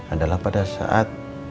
adalah pada saat